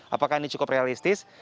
apakah ini cukup realistis